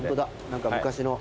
何か昔の。